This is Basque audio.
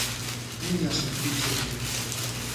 Mina sentitzen du.